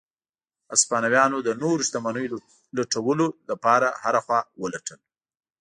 هسپانویانو د نورو شتمنیو لټولو لپاره هره خوا ولټل.